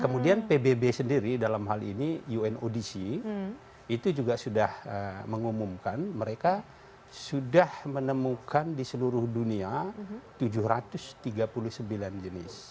kemudian pbb sendiri dalam hal ini unodc itu juga sudah mengumumkan mereka sudah menemukan di seluruh dunia tujuh ratus tiga puluh sembilan jenis